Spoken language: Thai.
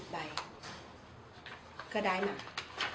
ขอบัตรเพิ่มอีก๘๐ใบ